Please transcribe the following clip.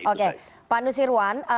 oke pak nusirwan